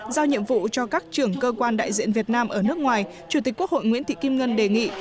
giao nhiệm vụ cho các trưởng cơ quan đại diện việt nam ở nước ngoài chủ tịch quốc hội nguyễn thị kim ngân đề nghị